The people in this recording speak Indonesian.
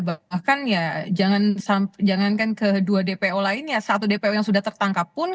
bahkan ya jangankan ke dua dpo lainnya satu dpo yang sudah tertangkap pun